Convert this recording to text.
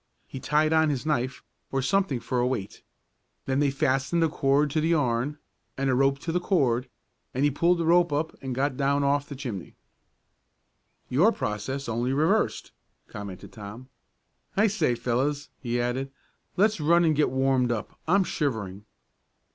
He tied on his knife, or something for a weight. Then they fastened a cord to the yarn, and a rope to the cord, he pulled the rope up and got down off the chimney." "Your process, only reversed," commented Tom. "I say fellows," he added, "let's run and get warmed up. I'm shivering."